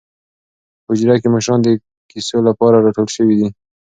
په حجره کې مشران د کیسو لپاره راټول شوي دي.